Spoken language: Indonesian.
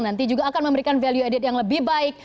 nanti juga akan memberikan value added yang lebih baik